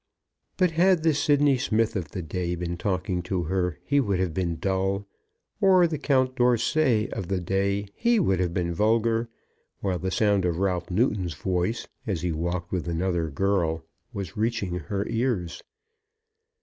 But had the Sydney Smith of the day been talking to her, he would have been dull, or the Count D'Orsay of the day, he would have been vulgar, while the sound of Ralph Newton's voice, as he walked with another girl, was reaching her ears.